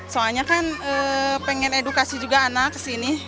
soalnya kan pengen edukasi juga anak kesini